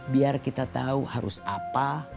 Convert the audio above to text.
biar kita tahu harus apa